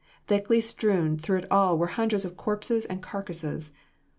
Thickly strewn through it all were hundreds of corpses and carcasses.